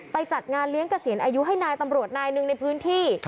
จัดงานเลี้ยงเกษียณอายุให้นายตำรวจนายหนึ่งในพื้นที่